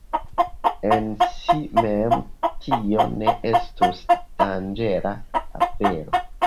En si mem tio ne estus danĝera afero.